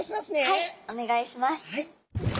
はい。